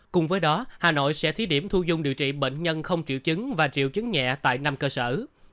cùng với đó hà nội sẽ thí điểm thu dung điều trị bệnh nhân không triệu chứng và triệu chứng nhẹ tại năm cơ sở